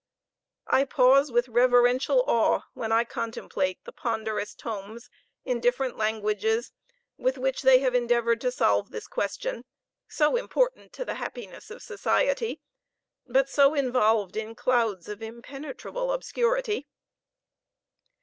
I pause with reverential awe when I contemplate the ponderous tomes in different languages, with which they have endeavored to solve this question, so important to the happiness of society, but so involved in clouds of impenetrable obscurity.